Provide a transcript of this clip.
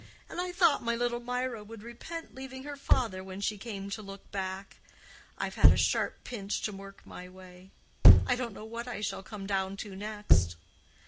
And I thought my little Mirah would repent leaving her father when she came to look back. I've had a sharp pinch to work my way; I don't know what I shall come down to next.